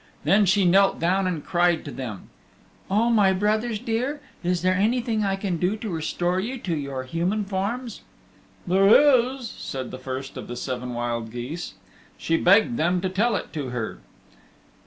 Then she knelt down and cried to them, "O my brothers dear, is there anything I can do to restore you to your human forms?" "There is," said the first of the seven wild geese. She begged them to tell it to her.